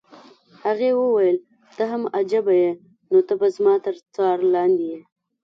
هغې وویل: ته هم عجبه يې، خو ته به زما تر څار لاندې یې.